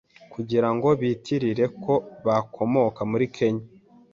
kugira ngo bitirire ko bakomoka muri kenya